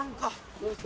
どうした？